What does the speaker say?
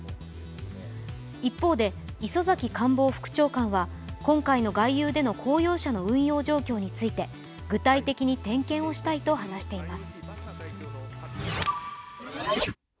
一方で、磯崎官房副長官は今回の外遊での公用車の運用状況について具体的に点検をしたいと話しています。